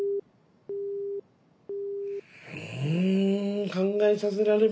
うん考えさせられますね